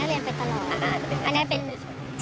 ไปนู่นไปนี่ไปต่างประเทศตลอดพานักเรียนไปตลอด